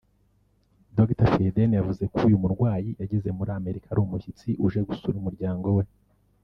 Dr Frieden yavuze ko uyu murwayi yageze muri Amerika ari umushyitsi uje gusura umuryango we